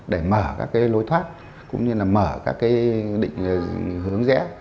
để mở các cái lối thoát cũng như là mở các cái định hướng rẽ